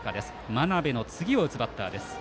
真鍋の次を打つバッター。